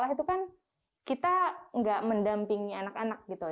itu kan kita nggak mendampingi anak anak gitu